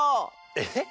えっ？